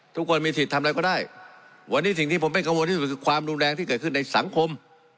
ทุกคนมีสิทธิ์ทำอะไรก็ได้วันนี้สิ่งที่ผมเป็นกังวลที่สุดคือความรุนแรงที่เกิดขึ้นในสังคม